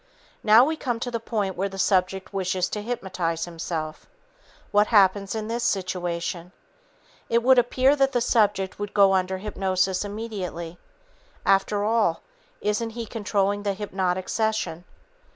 Now we come to the point where the subject wishes to hypnotize himself. What happens in this situation? It would appear that the subject would go under hypnosis immediately. After all, isn't he controlling the hypnotic session?